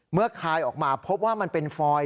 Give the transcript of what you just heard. คลายออกมาพบว่ามันเป็นฟอย